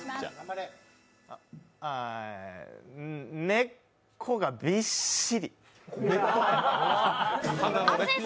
根っこがびっしり。